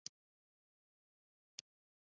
ژوندي د کونډې درد حس کوي